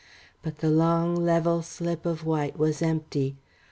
But the long level slip of white was empty.